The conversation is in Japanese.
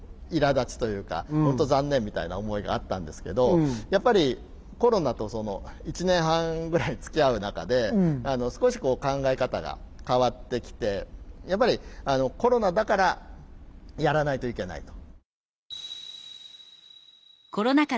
いらだちというか本当残念みたいな思いがあったんですけどやっぱりコロナとその１年半ぐらいつきあう中で少しこう考え方が変わってきてやっぱりコロナだからやらないといけないと。